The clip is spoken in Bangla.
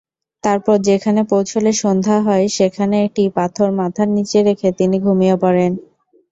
তারপর যেখানে পৌঁছলে সন্ধ্যা হয় সেখানে একটি পাথর মাথার নিচে রেখে তিনি ঘুমিয়ে পড়েন।